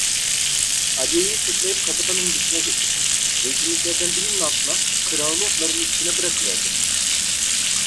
Aliye'yi sırtlayıp kasabanın dışına getirdim, zeytinliklerden birinin altına, kırağılı otların üstüne bırakıverdim…